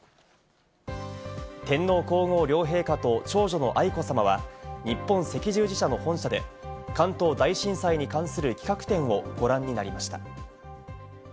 天皇皇后両陛下と長女の愛子さまは日本赤十字社の本社で、関東大震災に関する企画展をご覧になりました。